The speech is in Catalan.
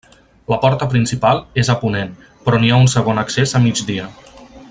La porta principal és a ponent, però n'hi ha un segon accés a migdia.